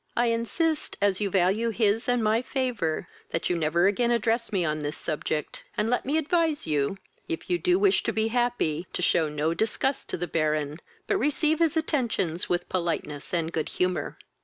I insist, as you value his and my favour, that you never again address me on this subject; and let me advise you, if you with to be happy, to shew no disgust to the Baron, but receive his attentions with politeness and good humour."